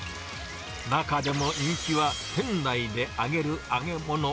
中でも人気は、店内で揚げる揚げ物。